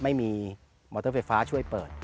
มอเตอร์ไฟฟ้าช่วยเปิด